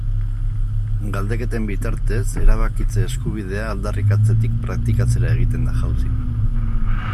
Galdeketen bitartez, erabakitze eskubidea aldarrikatzetik praktikatzera egiten da jauzi.